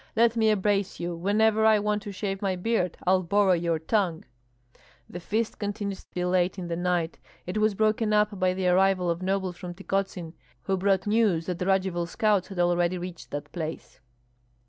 Let me embrace you! Whenever I want to shave my beard I'll borrow your tongue!" The feast continued till late in the night; it was broken up by the arrival of nobles from Tykotsin, who brought news that Radzivill's scouts had already reached that place.